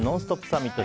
サミット。